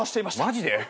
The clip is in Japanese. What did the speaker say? マジで？